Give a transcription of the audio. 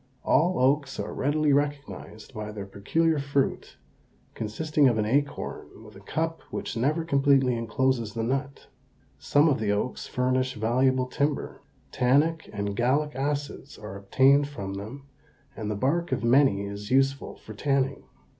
All oaks are readily recognized by their peculiar fruit, consisting of an acorn with a cup which never completely encloses the nut. Some of the oaks furnish valuable timber. Tannic and gallic acids are obtained from them and the bark of many is useful for tanning.